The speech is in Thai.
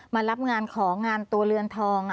มารับงานของานตัวเรือนทอง